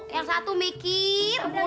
yang satu mikir mulu